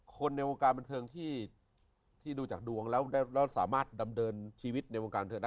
คนในวงการบันเทิงที่ดูจากดวงแล้วสามารถดำเนินชีวิตในวงการบันเทิงได้